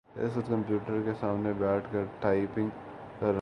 اس وقت کمپیوٹر کے سامنے بیٹھ کر ٹائپنگ کر رہا ہوں۔